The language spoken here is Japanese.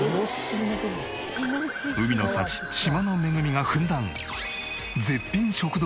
海の幸島の恵みがふんだん！